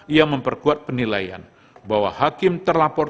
ia memperkuat penilaian bahwa hakim terlapor